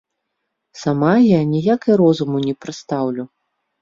Сама я ніяк і розуму не прыстаўлю.